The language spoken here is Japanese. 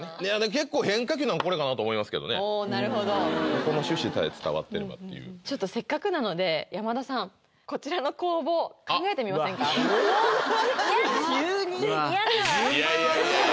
結構変化球なんこれかなと思いますけどねおなるほどここの趣旨さえ伝わってればっていうちょっとせっかくなので山田さんいや嫌です！